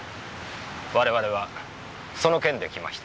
我々はその件で来ました。